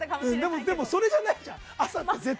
でも、朝って絶対それじゃないじゃん。